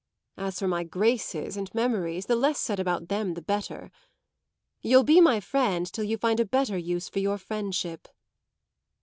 As for my graces and memories the less said about them the better. You'll be my friend till you find a better use for your friendship."